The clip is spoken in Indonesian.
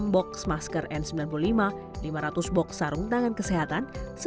enam box masker n sembilan puluh lima lima ratus box sarung tangan kesehatan